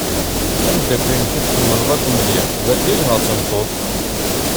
Ameddakel-inek i tḥemmleḍ akk mliḥ d argaz neɣ d tameṭṭut?